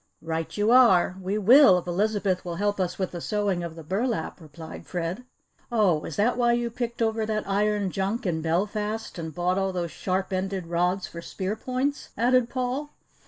"Right you are! We will, if Elizabeth will help us with the sewing of the burlap," replied Fred. "Oh, is that why you picked over that iron junk in Belfast and bought all those sharp ended rods for spear points?" added Paul.